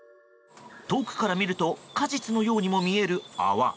遠くから見ると果実のようにも見える泡。